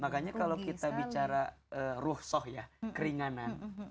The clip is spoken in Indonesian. makanya kalau kita bicara ruhsoh ya keringanan